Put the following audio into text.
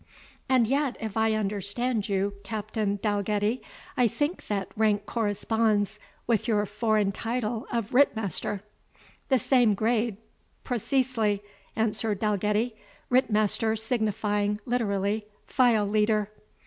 "And yet, if I understand you, Captain Dalgetty, I think that rank corresponds with your foreign title of ritt master " "The same grade preceesely," answered Dalgetty; "ritt master signifying literally file leader."